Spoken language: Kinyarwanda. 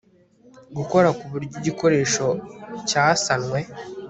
gukora ku buryo igikoresho cyasanwe